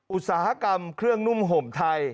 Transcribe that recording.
อุตสาหกรรมเครื่องนุ่มห่มไทย